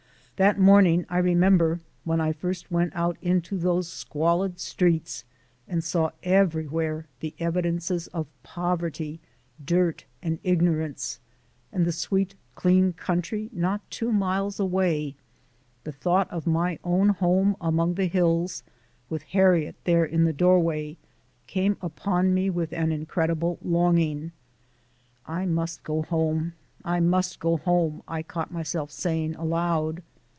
That morning, I remember, when I first went out into those squalid streets and saw everywhere the evidences of poverty, dirt, and ignorance and the sweet, clean country not two miles away the thought of my own home among the hills (with Harriet there in the doorway) came upon me with incredible longing. "I must go home; I must go home!" I caught myself saying aloud.